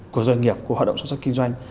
của doanh nghiệp của hoạt động xuất sắc kinh doanh